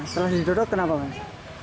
setelah di dok dok kenapa mas